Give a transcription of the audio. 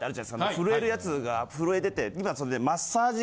震えるやつが震えてて今それで。